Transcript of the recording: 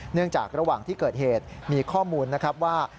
เนื่องจากระหว่างที่เกิดเหตุมีข้อมูลนะครับว่า